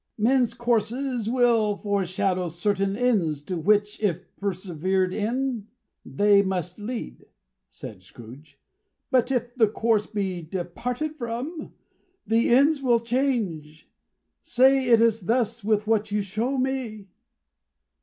"Men's courses will foreshadow certain ends, to which, if persevered in, they must lead," said Scrooge, "But if the courses be departed from, the ends will change. Say it is thus with what you show me!"